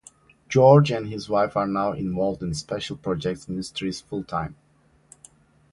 George and his wife are now involved in Special Projects Ministries full-time.